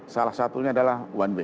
salah satunya adalah one way